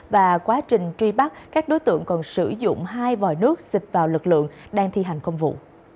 và quá trình truy bắt các đối tượng còn sử dụng hai vòi nước xịt vào lực lượng đang thi hành công vụ